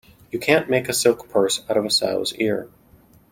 You can't make a silk purse out of a sow's ear.